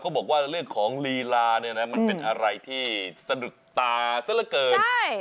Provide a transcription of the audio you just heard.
บอกว่าเรื่องของลีลาเนี่ยนะมันเป็นอะไรที่สะดุดตาซะละเกิน